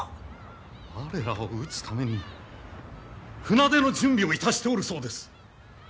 我らを討つために船出の準備をいたしておるそうです。